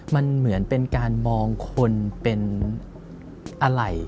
มันเหมือนเป็นการมองคนเป็นอะไร